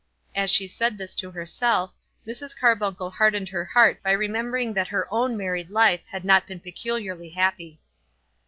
As she said this to herself, Mrs. Carbuncle hardened her heart by remembering that her own married life had not been peculiarly happy.